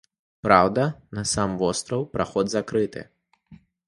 Праўда, на сам востраў праход закрыты.